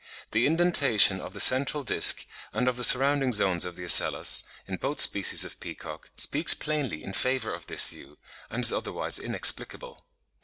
The indentation of the central disc and of the surrounding zones of the ocellus, in both species of peacock, speaks plainly in favour of this view, and is otherwise inexplicable.